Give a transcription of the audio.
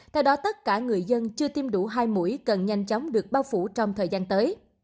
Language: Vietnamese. theo đó tất cả người dân chưa tiêm đủ hai mũi cần nhanh chóng được bao phủ trong thời gian tới